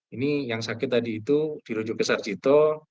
ini yang sakit tadi itu dirujuk ke sarjito